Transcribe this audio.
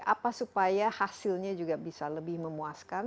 apa supaya hasilnya juga bisa lebih memuaskan